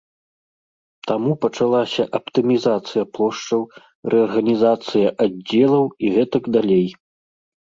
Таму пачалася аптымізацыя плошчаў, рэарганізацыя аддзелаў і гэтак далей.